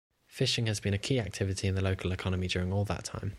Fishing has been a key activity in the local economy during all that time.